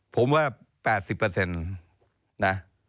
ผมว่า๘๐